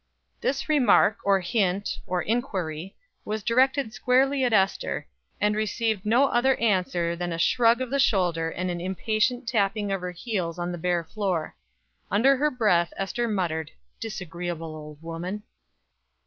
This remark, or hint, or inquiry, was directed squarely at Ester, and received no other answer than a shrug of the shoulder and an impatient tapping of her heels on the bare floor. Under her breath Ester muttered, "Disagreeable old woman!"